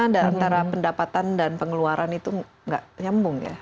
dari pendapatan dan pengeluaran itu tidak nyambung